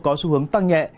có xu hướng tăng nhẹ